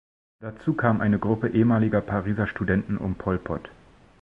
Dazu kam eine Gruppe ehemaliger Pariser Studenten um Pol Pot.